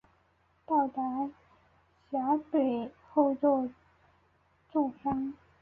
到达陕北后作战负重伤。